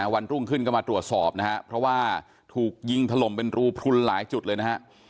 วันรุ่งขึ้นก็มาตรวจสอบนะฮะเพราะว่าถูกยิงถล่มเป็นรูพลุนหลายจุดเลยนะฮะ